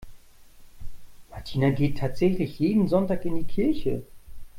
Martina geht tatsächlich jeden Sonntag in die Kirche.